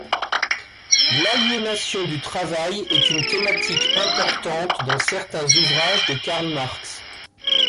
L'aliénation du travail est une thématique importante dans certains ouvrages de Karl Marx.